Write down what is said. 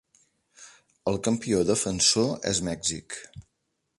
El campió defensor es Mèxic.